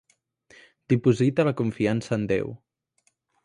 Deposita la confiança en Déu